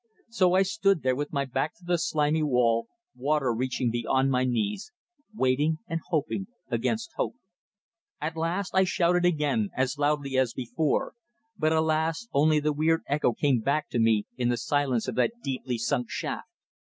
So I stood there with my back to the slimy wall, water reaching beyond my knees, waiting and hoping against hope. At last I shouted again, as loudly as before, but, alas! only the weird echo came back to me in the silence of that deeply sunk shaft.